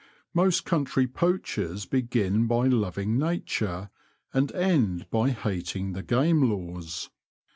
\^\X /uST country poachers begin by loving <z:J,.U^ V Nature and end by hating the Game Laws.